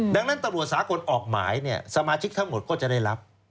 ดังนั้นตำรวจสากลออกหมายเนี่ยสมาชิกทั้งหมดก็จะได้รับ